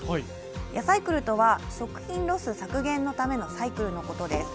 ヤサイクルとは食品ロス削減のためのサイクルのことです。